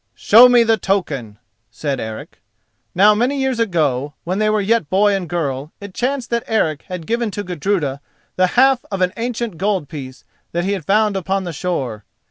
'" "Show me the token," said Eric. Now, many years ago, when they were yet boy and girl, it chanced that Eric had given to Gudruda the half of an ancient gold piece that he had found upon the shore.